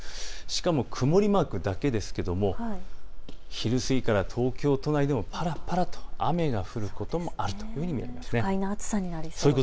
しかも曇りマークだけですが昼すぎから東京都内でもぱらぱらと雨が降ることもあるというふうに見られます。